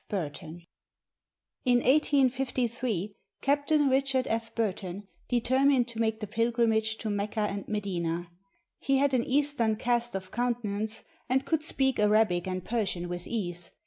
BURTON [In 1853, Captain Richard F. Burton determined to make the pilgrimage to Mecca and Medina. He had an Eastern cast of countenance, and could speak Arabic and Persian with ease.